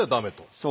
そう。